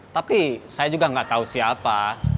tapi saya juga nggak tahu siapa